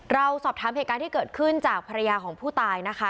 เราสอบถามเหตุการณ์ที่เกิดขึ้นจากภรรยาของผู้ตายนะคะ